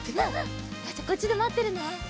じゃあこっちでまってるね。